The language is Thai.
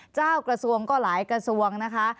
เจ้ากระทรวงก็หลายกระทรวงนะคะ